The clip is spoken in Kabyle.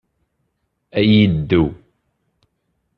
Ay iddew!